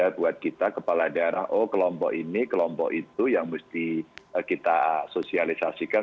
ya buat kita kepala daerah oh kelompok ini kelompok itu yang mesti kita sosialisasikan